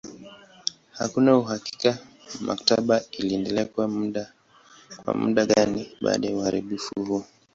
Hakuna uhakika maktaba iliendelea kwa muda gani baada ya uharibifu huo.